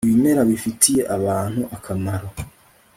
ibimera bifitiye abantu akamaro